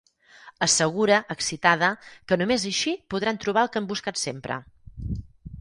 Assegura, excitada, que només així podran trobar el que han buscat sempre.